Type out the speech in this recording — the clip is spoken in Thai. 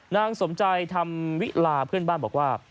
นางสมใจธรรมวิลาเพื่อนบ้านบอกว่า